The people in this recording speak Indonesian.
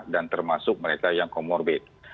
dan termasuk mereka yang comorbid